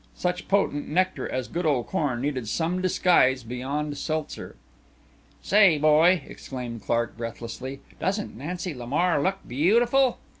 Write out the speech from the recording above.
Such potent nectar as "good old corn" needed some disguise beyond seltzer. "Say, boy," exclaimed Clark breathlessly, "doesn't Nancy Lamar look beautiful?"